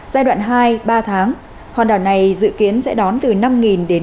giai đoạn hai ba tháng hòn đảo này dự kiến sẽ đón từ năm đến một mươi khách một tháng